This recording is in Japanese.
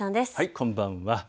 こんばんは。